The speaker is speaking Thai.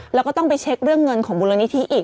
แล้วก็ต้องไปเช็คเรื่องเงินของมูลนิธิอีก